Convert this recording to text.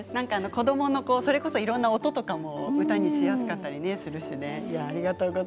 子どものいろいろな音とかも歌にしやすかったりしますからね。